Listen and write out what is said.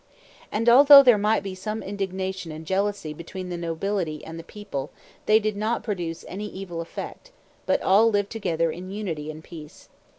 And although there might be some indignation and jealousy between the nobility and the people, they did not produce any evil effect, but all lived together in unity and peace.